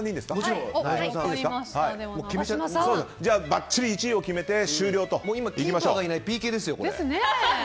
ばっちり１位を決めて終了といきましょう。